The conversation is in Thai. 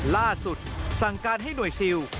ล่าสุดสั่งการให้หน่วยซิล